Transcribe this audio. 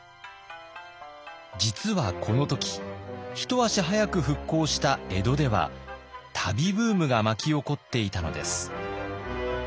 実はこの時一足早く復興した江戸では旅ブームが巻き起こっていたのです。